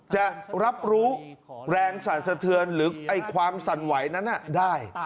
จะรับรู้แรงสั่นสะเทือนหรือความสั่นไหวนั้นได้